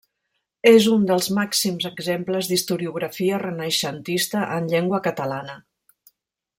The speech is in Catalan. És un dels màxims exemples d'historiografia renaixentista en llengua catalana.